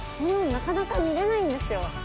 なかなか見れないんですよ。